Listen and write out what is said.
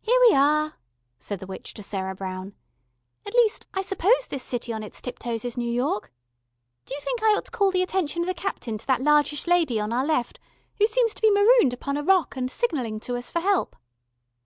"Here we are," said the witch to Sarah Brown. "At least, I suppose this City on its Tiptoes is New York. Do you think I ought to call the attention of the Captain to that largish lady on our left, who seems to be marooned upon a rock, and signalling to us for help?"